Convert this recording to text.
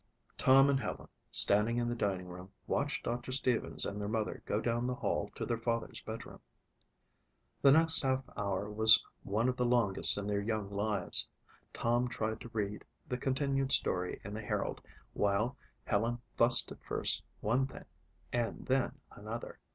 Tom and Helen, standing in the dining room, watched Doctor Stevens and their mother go down the hall to their father's bedroom. The next half hour was one of the longest in their young lives. Tom tried to read the continued story in the Herald, while Helen fussed at first one thing and then another.